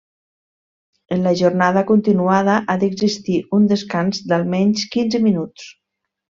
En la jornada continuada ha d'existir un descans d'almenys quinze minuts.